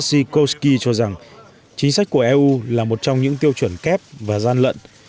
vazikowski cho rằng chính sách của eu là một trong những tiêu chuẩn kép và gian lận